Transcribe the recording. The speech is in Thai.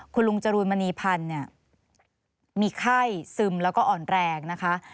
คุณลุงจรูนมณีพันธ์เนี่ยมีไข้ซึมแล้วก็อ่อนแรงนะคะ